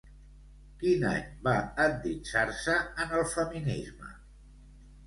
Quin any va endinsar-se en el feminisme?